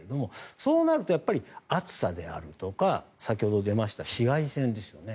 そうなると暑さであるとか先ほど出ました紫外線ですよね。